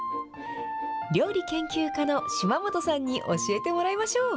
料理研究家の島本さんに教えてもらいましょう。